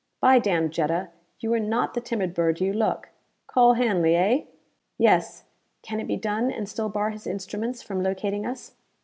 "By damn, Jetta, you are not the timid bird you look. Call Hanley, eh?" "Yes. Can it be done and still bar his instruments from locating us?"